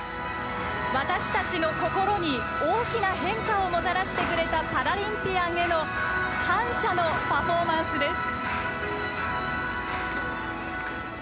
私たちの心に大きな変化をもたらしてくれたパラリンピアンへの感謝のパフォーマンスです。